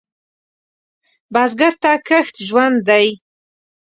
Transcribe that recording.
بزګر ته کښت ژوند دی